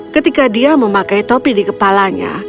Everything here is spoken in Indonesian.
ketika dia memakai topi di kepalanya